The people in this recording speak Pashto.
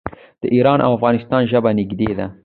د ایران او افغانستان ژبه نږدې ده.